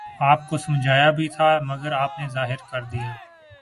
آپ کو سمجھایا بھی تھا مگر آپ نے ظاہر کر دیا۔